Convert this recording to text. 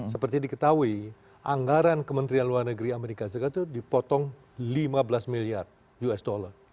seperti diketahui anggaran kementerian luar negeri amerika serikat itu dipotong lima belas miliar usd